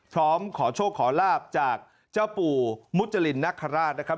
พร้อมขอโชคขอลาบจากเจ้าปู่มุจรินนคราชนะครับ